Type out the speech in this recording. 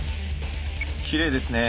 きれいですね。